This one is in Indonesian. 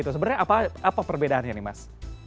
sebenarnya apa perbedaannya nih mas